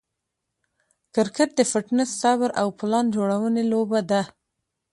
کرکټ د فټنس، صبر، او پلان جوړوني لوبه ده.